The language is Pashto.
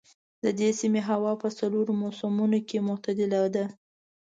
د دې سيمې هوا په څلورو موسمونو کې معتدله ده.